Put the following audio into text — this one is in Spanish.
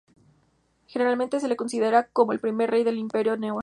Generalmente, se le considera como el primer rey del Imperio Neo-asirio.